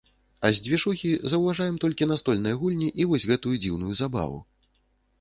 А з дзвіжухі заўважаем, толькі настольныя гульні і вось гэтую дзіўную забаву.